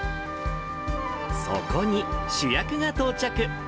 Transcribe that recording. そこに、主役が到着。